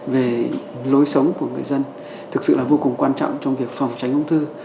về lối sống của người dân thực sự là vô cùng quan trọng trong việc phòng tránh ung thư